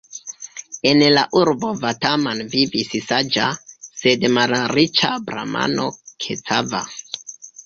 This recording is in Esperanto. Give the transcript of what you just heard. En la urbo Vataman vivis saĝa, sed malriĉa bramano Kecava.